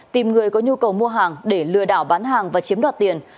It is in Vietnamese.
tìm người có nhu cầu mua hàng để lừa đảo bán hàng và chiếm đoạt tiền